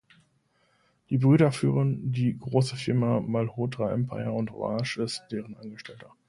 Die Brüder führen die große Firma "Malhotra Empire" und Raj ist deren Angestellter.